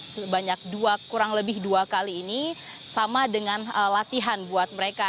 sebanyak dua kurang lebih dua kali ini sama dengan latihan buat mereka